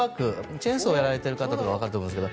チェーンソーやられてる方とか分かると思いますけど。